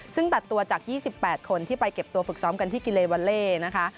ซึ่งตัดตัวจาก๒๘คนที่ไปเก็บตัวฝึกซ้อมกันที่กิเลวาเล่นะคะ